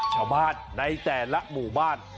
ชาวบ้านในแต่ละหมู่บ้าน